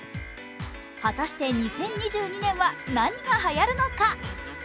果たして２０２２年は何がはやるのか？